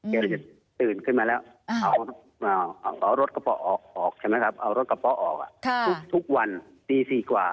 เขาก็จะตื่นขึ้นมาแล้วเอารถกระเป๋าออกใช่ไหมครับเอารถกระเป๋าออกอะทุกวันตีสี่กว่า